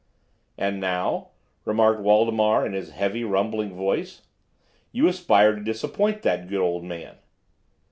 "And now," remarked Waldemar in his heavy, rumbling voice, "you aspire to disappoint that good old man."